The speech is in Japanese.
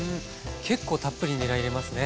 結構たっぷりにら入れますね。